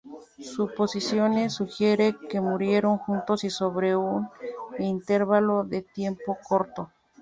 Su posiciones sugiere que murieron juntos y sobre un intervalo de tiempo corto.